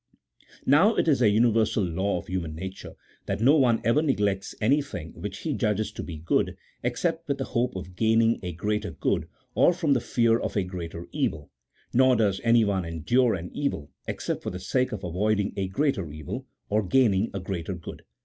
jSTow it is a universal law of human nature that no one ever neglects anything which he judges to be good, except with the hope of gaining a greater good, or from the fear of a greater evil ; nor does anyone endure an evil except for the sake of avoiding a greater evil, or gaining a greater good.